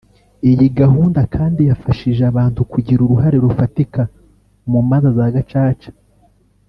Iyi gahunda kandi yafashije abantu kugira uruhare rufatika mu manza za Gacaca